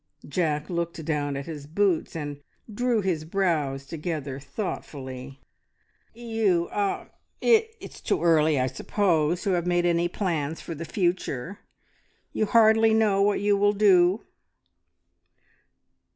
Jack looked down at his boots, and drew his brows together thoughtfully. "You er it's too early, I suppose, to have made any plans for the future. You hardly know what you will do?"